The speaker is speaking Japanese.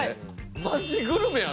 マジグルメやな。